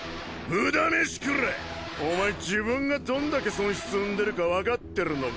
無駄飯食らいお前自分がどんだけ損失を生んでるか分かってるのか？